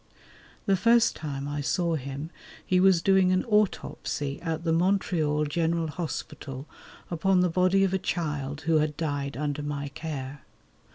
The first time I saw him he was doing an autopsy at the Montreal General Hospital upon the body of a child who had died under my care.